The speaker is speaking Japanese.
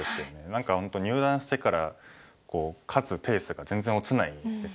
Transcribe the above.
何か本当入段してから勝つペースが全然落ちないですよね。